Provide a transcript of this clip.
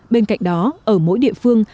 bên cạnh đó ở mỗi địa phương